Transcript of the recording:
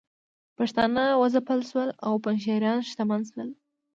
پښتانه وځپل شول او پنجشیریان شتمن شول